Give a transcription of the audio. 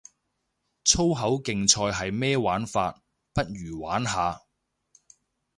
粗口競賽係咩玩法，不如玩下